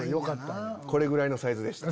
これぐらいのサイズでした。